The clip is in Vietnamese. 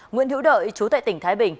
nguyễn hữu đợi chú tại tỉnh thái bình